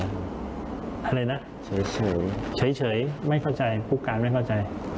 อะไรนะเฉยเฉยเฉยเฉยไม่เข้าใจภูกการไม่เข้าใจ